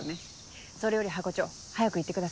それよりハコ長早く行ってください。